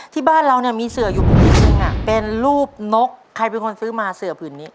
ที่บ้านเราเนี่ยมีเสืออยู่ผืนนึงเป็นรูปนกใครเป็นคนซื้อมาเสือผืนนี้